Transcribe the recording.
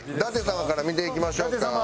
舘様から見ていきましょうか。